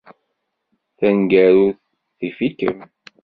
Taneggarut tif-ikem.